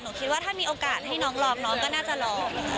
คิดว่าถ้ามีโอกาสให้น้องลองน้องก็น่าจะลอง